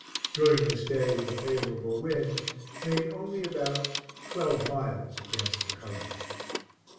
During this day, with a favorable wind, made only about twelve miles against the current.